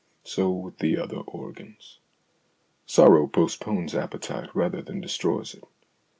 So with the other organs. Sorrow postpones appetite rather than destroys it.